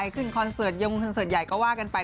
คอนเสิร์ตยงคอนเสิร์ตใหญ่ก็ว่ากันไป